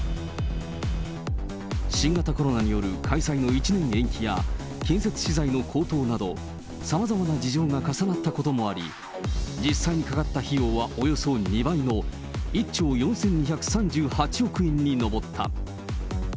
新型コロナによる開催の１年延期や、建設資材の高騰など、さまざまな事情が重なったこともあり、実際にかかった費用はおよそ２倍の１兆４２３８億円に上った。